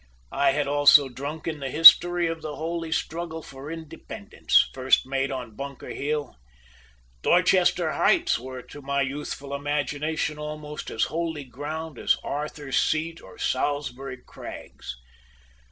I had also drunk in the history of the holy struggle for independence, first made on Bunker Hill. Dorchester Heights were to my youthful imagination almost as holy ground as Arthur's Seat or Salisbury Craigs.